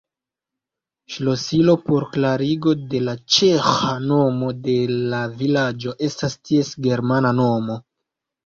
Ŝlosilo por klarigo de la ĉeĥa nomo de la vilaĝo estas ties germana nomo.